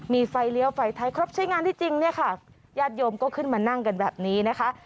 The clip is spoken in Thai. มีไฟเลี้ยวไฟไทยครบใช้งานที่จริงเนี่ยค่ะญาติโยมก็ขึ้นมานั่งกันแบบนี้นะคะ